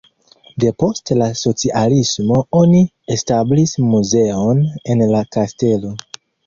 Depost la socialismo oni establis muzeon en la kastelo.